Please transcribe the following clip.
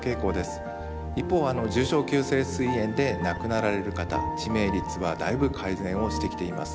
一方重症急性すい炎で亡くなられる方致命率はだいぶ改善をしてきています。